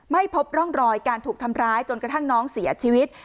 ไม่พบร่องรอยการถูกทำร้ายจนกระทั่งน้องเสียชีวิต